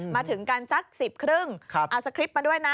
มาถึงกันสัก๑๐๓๐เอาสคริปต์มาด้วยนะ